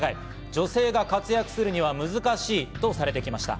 女性が活躍するには難しいとされてきました。